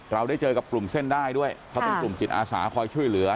เราได้เจอกับกลุ่มเส้นได้ด้วยเขาเป็นกลุ่มจิตอาสาคอยช่วยเหลือ